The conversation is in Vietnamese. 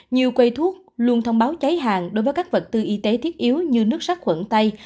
nhiều quầy thuốc luôn thông báo cháy hàng đối với các vật tư y tế thiết yếu như nước sắc khuẩn tay